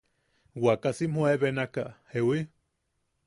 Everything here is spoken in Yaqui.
Wakasim juebenaka ¿jewi?